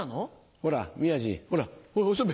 ほら宮治ほら遊べ。